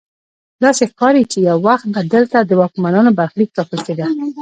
داسې ښکاري چې یو وخت به دلته د واکمنانو برخلیک ټاکل کیده.